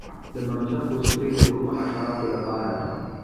د مرچکو سپری د کومو حشراتو لپاره دی؟